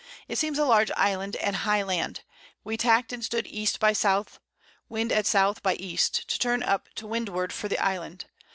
It seems a large Island, and high Land: We tack'd and stood E. by S. Wind at S. by E. to turn up to Windward for the Island.